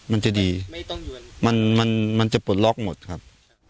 มันจะดีมันจะปลดล็อกหมดครับ